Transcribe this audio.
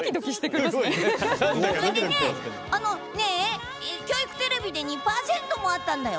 それでね、教育テレビで２％もあったんだよ！